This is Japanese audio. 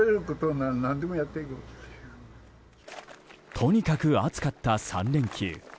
とにかく暑かった３連休。